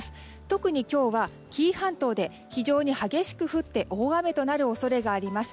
特に今日は紀伊半島で非常に激しく降って大雨となる恐れがあります。